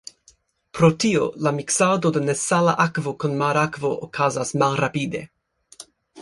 Pro tio la miksado de nesala akvo kun marakvo okazas malrapide.